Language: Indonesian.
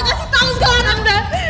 kasih tahu segala gala tante